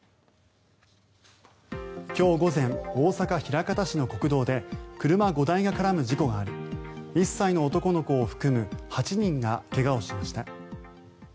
今日午前大阪・枚方市の国道で車５台が絡む事故があり１歳の男の子を含む８人が怪我をしました。